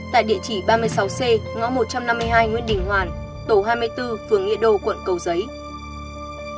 tại địa chỉ ba mươi sáu c ngõ một trăm năm mươi hai nguyễn đình hoàn tổ hai mươi bốn phường nghĩa đô quận cầu giấy